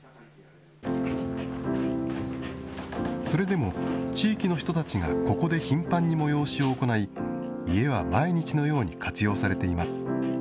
それでも、地域の人たちがここで頻繁に催しを行い、家は毎日のように活用されています。